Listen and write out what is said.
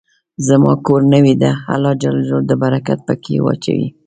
زما کور نوې ده، الله ج د برکت په کي واچوی